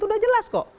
itu sudah jelas kok